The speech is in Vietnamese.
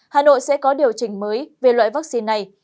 hà nội sẽ có điều chỉnh mới về loại vaccine này